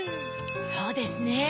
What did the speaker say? そうですね。